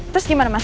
terus gimana mas